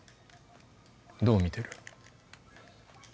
どう見てる？